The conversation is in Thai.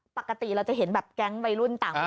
ปกติเราจะเห็นแบบแก๊งวัยรุ่นต่าง